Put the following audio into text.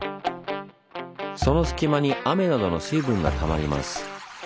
その隙間に雨などの水分がたまります。